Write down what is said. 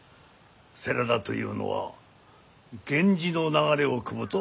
世良田というのは源氏の流れをくむと伝えられておりまする。